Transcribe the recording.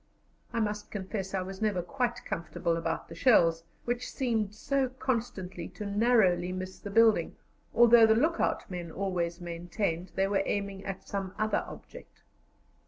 I must confess I was never quite comfortable about the shells, which seemed so constantly to narrowly miss the building, although the look out men always maintained they were aiming at some other object.